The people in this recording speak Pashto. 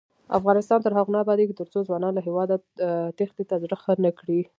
افغانستان تر هغو نه ابادیږي، ترڅو ځوانان له هیواده تېښتې ته زړه ښه نکړي.